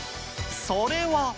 それは。